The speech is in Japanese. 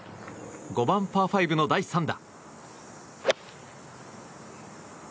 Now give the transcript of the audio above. ５番、パー５の第３打。